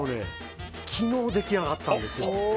昨日、出来上がったんですよ。